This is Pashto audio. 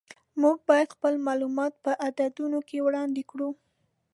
موږ باید خپل معلومات په عددونو کې وړاندې کړو.